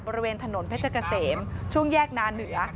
บริเวณถนนเพชรเกษมช่วงแยกนาเหนือ